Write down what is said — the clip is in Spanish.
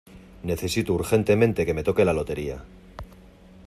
Necesito urgentemente que me toque la lotería.